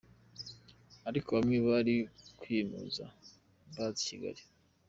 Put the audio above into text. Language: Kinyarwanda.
ariko bamwe bari kwimuza baza i Kigali.